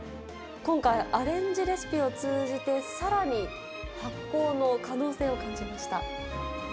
今回、アレンジレシピを通じて、さらに発酵の可能性を感じました。